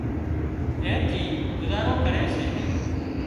اين ٿي گذارو ڪري سي